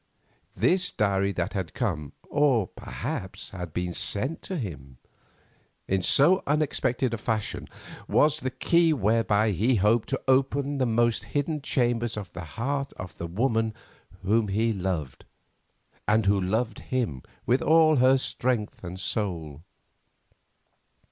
This diary that had come—or perhaps been sent to him—in so unexpected a fashion, was the key whereby he hoped to open the most hidden chambers of the heart of the woman whom he loved, and who loved him with all her strength and soul.